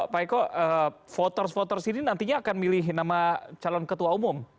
pak eko voters voters ini nantinya akan milih nama calon ketua umum